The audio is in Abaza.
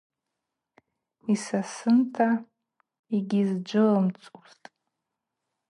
Йсасынта, йгьйызджвылымцузтӏ.